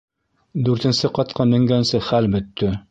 Дүртенсе ҡатҡа меңгәнсе хәл бөттө.